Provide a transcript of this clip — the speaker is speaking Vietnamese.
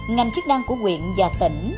ngành chức năng của quyện và tỉnh